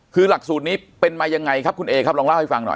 คือหลักสูตรนี้เป็นมายังไงครับคุณเอครับลองเล่าให้ฟังหน่อย